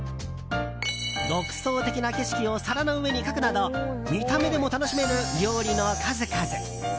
独創的な景色を皿の上に描くなど見た目でも楽しめる料理の数々。